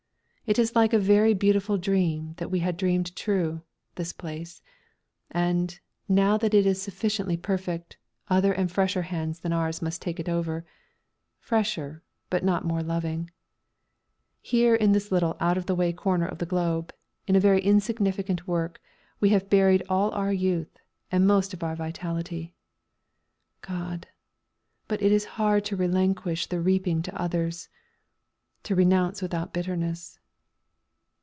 It is like a very beautiful dream that we had dreamed true, this place; and, now that it is sufficiently perfect, other and fresher hands than ours must take it over fresher, but not more loving. [Illustration: "THE CITY OF LITTLE WHITE CROSSES"] Here in this little out of the way corner of the globe, in a very insignificant work, we have buried all our youth and most of our vitality. God! but it is hard to relinquish the reaping to others! "To renounce without bitterness!"